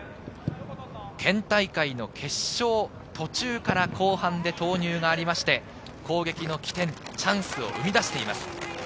県大会の決勝、途中から後半で投入がありまして、攻撃の起点、チャンスを生み出しています。